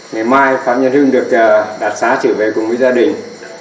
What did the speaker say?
ngày mai phạm nhân hưng được đặc giá trở về cùng với gia đình